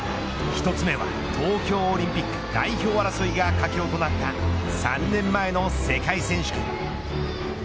１つ目は東京オリンピック代表争いが佳境となった３年前の世界選手権。